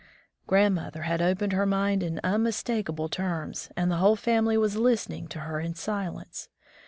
*' Grandmother had opened her mind in unmistakable terms, and the whole family was listening to her in silence.